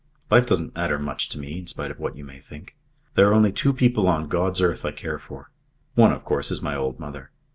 Life doesn't matter much to me, in spite of what you may think. There are only two people on God's earth I care for. One, of course, is my old mother.